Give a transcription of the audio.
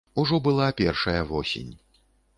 Ужо была першая восень.